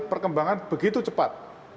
perkembangan begitu cepat